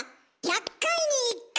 １００回に１回？